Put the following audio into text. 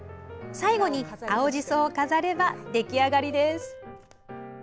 最後に青じそを飾れば出来上がりです。